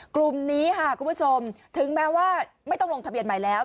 กลุ่มนี้ค่ะคุณผู้ชมถึงแม้ว่าไม่ต้องลงทะเบียนใหม่แล้ว